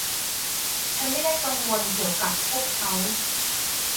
ฉันไม่ได้กังวลเกี่ยวกับพวกเขา